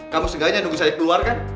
kamu seenggaknya nunggu saya keluar kan